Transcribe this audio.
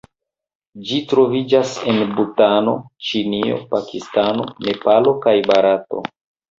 Ĝi troviĝas en Butano, Ĉinio, Pakistano, Nepalo kaj Barato.